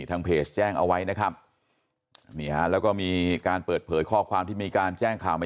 ทางเพจแจ้งเอาไว้นะครับนี่ฮะแล้วก็มีการเปิดเผยข้อความที่มีการแจ้งข่าวไป